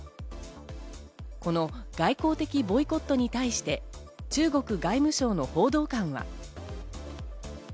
この外交的ボイコットに対して中国外務省の報道官は。などと批判しました。